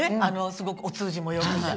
すごくお通じもよくなる？